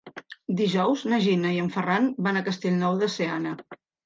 Dijous na Gina i en Ferran van a Castellnou de Seana.